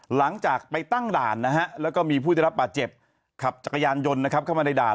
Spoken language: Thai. หลังจากไปตั้งด่านนะฮะแล้วก็มีผู้ได้รับบาดเจ็บขับจักรยานยนต์นะครับเข้ามาในด่าน